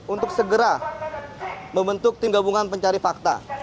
untuk segera membentuk tim gabungan pencari fakta